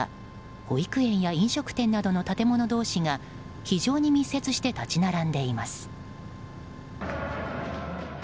保育園や飲食店などの建物同士が非常に密接して立ち並んでいます。